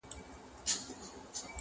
مور او ورور پلان جوړوي او خبري کوي،